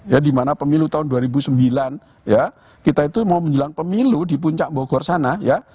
ya dimana pemilu tahun dua ribu sembilan ya kita itu mau menjelang pemilu di puncak bogor sana ya